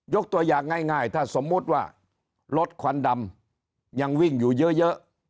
ตัวอย่างง่ายถ้าสมมุติว่ารถควันดำยังวิ่งอยู่เยอะ